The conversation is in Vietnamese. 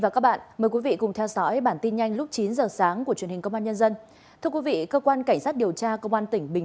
cảm ơn các bạn đã theo dõi